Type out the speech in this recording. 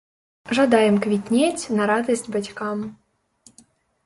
Жадаем квітнець на радасць бацькам!